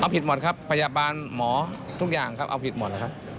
เอาผิดหมดครับพยาบาลหมอทุกอย่างเอาผิดหมด